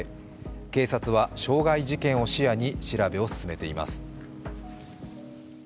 警察は、傷害事件を視野に調べを進めています。